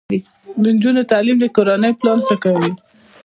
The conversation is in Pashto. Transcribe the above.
د نجونو تعلیم د کورنۍ پلان ښه کوي.